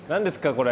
これ。